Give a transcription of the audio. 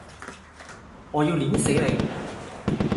我要摙死你!